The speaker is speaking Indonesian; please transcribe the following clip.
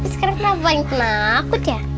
sekarang kenapa paling takut ya